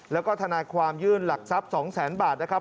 แล้วก็ทนายความยื่นหลักทรัพย์๒แสนบาทนะครับ